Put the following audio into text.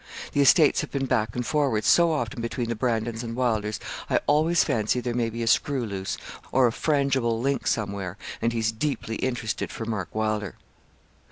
The estates have been back and forward so often between the Brandons and Wylders, I always fancy there may be a screw loose, or a frangible link somewhere, and he's deeply interested for Mark Wylder.'